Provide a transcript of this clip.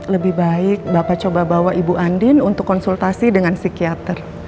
lebih baik bapak coba bawa ibu andin untuk konsultasi dengan psikiater